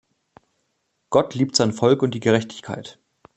Gott liebt sein Volk und die Gerechtigkeit.